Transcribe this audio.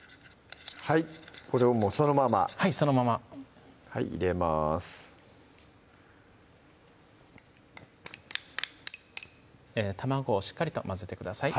はいこれをもうそのままはいそのまま入れます卵をしっかりと混ぜてください